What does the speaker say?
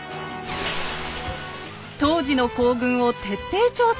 当時の行軍を徹底調査。